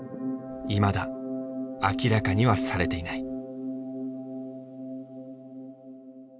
いまだ明らかにはされていない。